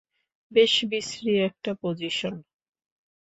বেশ বিশ্রী একটা পোজিশন।